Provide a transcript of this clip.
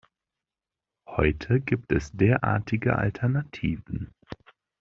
Heute gibt es derartige Alternativen.